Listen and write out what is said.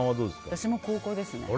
私も高校ですね。